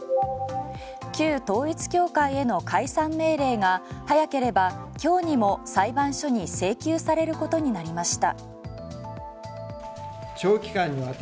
旧統一教会への解散命令が早ければ今日にも裁判所に請求されることになりました。